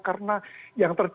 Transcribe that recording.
karena yang terjadi